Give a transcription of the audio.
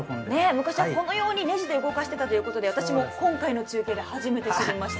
昔はこのようにネジで動かしていたということで私も今回の中継で初めて知りました。